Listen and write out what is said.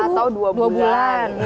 atau dua bulan